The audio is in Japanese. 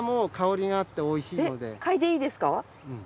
えっかいでいいですか？